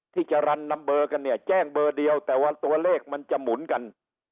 จรรย์นำเบอร์กันเนี่ยแจ้งเบอร์เดียวแต่ว่าตัวเลขมันจะหมุนกัน